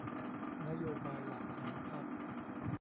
นโยบายหลักของพรรค